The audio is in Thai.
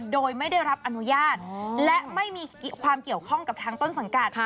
โดยไม่ได้รับอนุญาตและไม่มีความเกี่ยวข้องกับทางต้นสังกัด